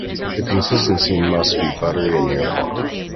The consistency must be buttery and uniform.